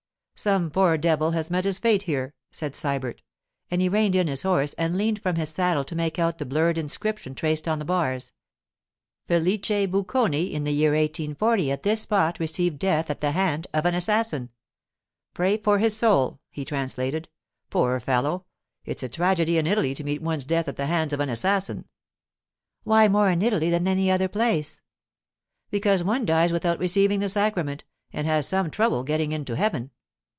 'Some poor devil has met his fate here,' said Sybert, and he reined in his horse and leaned from his saddle to make out the blurred inscription traced on the bars. 'Felice Buconi in the year 1840 at this spot received death at the hand of an assassin. Pray for his soul,' he translated. 'Poor fellow! It's a tragedy in Italy to meet one's death at the hands of an assassin.' 'Why more in Italy than in any other place?' 'Because one dies without receiving the sacrament, and has some trouble about getting into heaven.